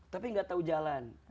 tapi gak tau jalan